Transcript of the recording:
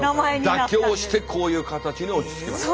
妥協してこういう形に落ち着きました。